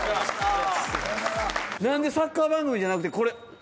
なんでサッカー番組じゃなくてこれ。